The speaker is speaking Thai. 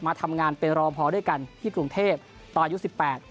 มาทำงานเป็นรอพอด้วยกันที่กรุงเทพตอนอายุสิบแปด